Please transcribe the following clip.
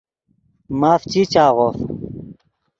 ماف چی چاغوف